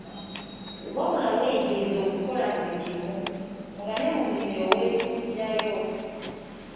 Wabula weeyigirize okukola buli kimu, nga ne mu nnimiro weetuukirayo.